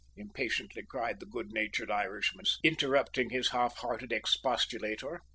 impatiently cried the good natured Irishman, interrupting his half hearted expostulator.